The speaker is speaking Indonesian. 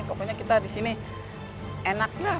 pokoknya kita disini enak lah